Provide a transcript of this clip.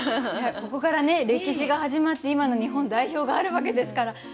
いやここから歴史が始まって今の日本代表があるわけですから。